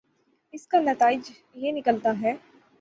اس کا نتیجہ یہ نکلتا ہے